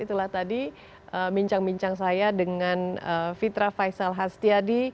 itulah tadi mincang mincang saya dengan fitra faisal hastiyadi